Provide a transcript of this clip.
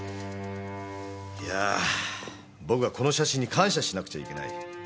いやぁ僕はこの写真に感謝しなくちゃいけない。